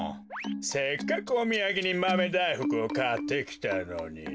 せっかくおみやげにマメだいふくをかってきたのに。